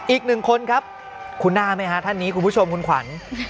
อีกหนึ่งคนครับคุณหน้าไหมฮะท่านนี้คุณผู้ชมคุณขวัญ